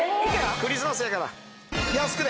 クリスマスやから安くで。